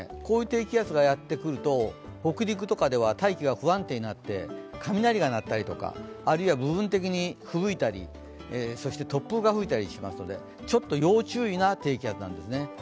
こういう低気圧がやってくると北陸とかでは大気が不安定になって雷が鳴ったりとかあるいは部分的に吹雪いたり、そして突風が吹いたりしますのでちょっと要注意な低気圧なんですね。